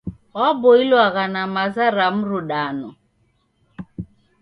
Waboilwagha na maza ra mrudano.